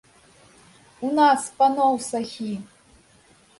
У нас, паноў сахі!